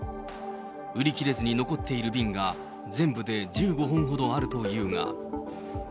売り切れずに残っている瓶が全部で１５本ほどあるというが。